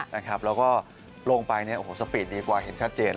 แล้วก็ลงไปสปีดดีกว่าเห็นชัดเจน